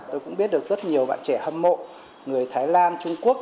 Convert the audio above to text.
tôi cũng biết được rất nhiều bạn trẻ hâm mộ người thái lan trung quốc